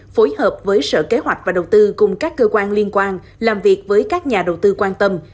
phối hợp với sở kế hoạch và đầu tư cùng các cơ quan liên quan làm việc với các nhà đầu tư quan tâm